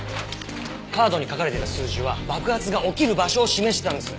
カードに書かれていた数字は爆発が起きる場所を示してたんです。